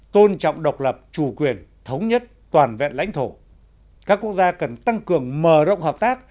tôn trọng độc lập chủ quyền thống nhất toàn vẹn lãnh thổ các quốc gia cần tăng cường mở rộng hợp tác